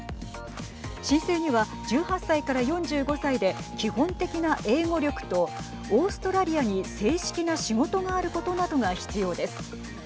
申請には１８歳から４５歳で基本的な英語力とオーストラリアに正式な仕事があることなどが必要です。